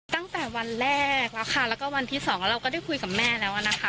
ตั้งแต่วันแรกแล้วค่ะแล้วก็วันที่สองแล้วเราก็ได้คุยกับแม่แล้วนะคะ